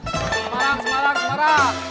semarang semarang semarang